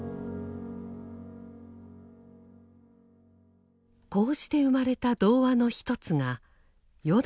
こうして生まれた童話の一つが「よだかの星」。